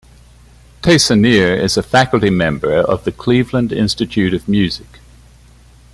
Teissonniere is a faculty member of the Cleveland Institute of Music.